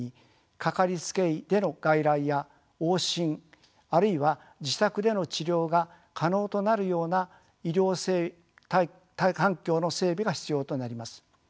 かかりつけ医での外来や往診あるいは自宅での治療が可能となるような医療環境の整備が必要となります。